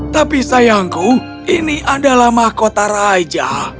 tapi sayangku ini adalah mahkota raja